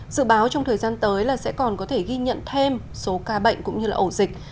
dự báo trong thời gian tới là sẽ còn có thể ghi nhận thêm số ca bệnh cũng như là ổ dịch